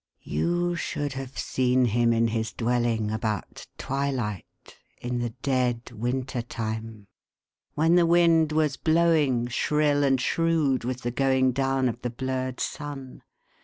You should have seen him in his dwelling about twilight, in the dead winter time. 420 THE HAUNTED MAX. When the wind was blowing, shrill and shrewd, with the going down of the blurred sun.